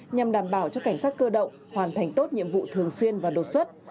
nhằm đảm bảo cho cảnh sát cơ động hoàn thành tốt nhiệm vụ thường xuyên và đột xuất